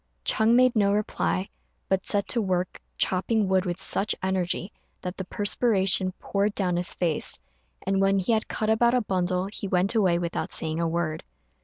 Ch'êng made no reply, but set to work chopping wood with such energy that the perspiration poured down his face; and when he had cut about a bundle he went away without saying a word.